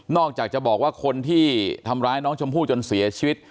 อกจากจะบอกว่าคนที่ทำร้ายน้องชมพู่จนเสียชีวิต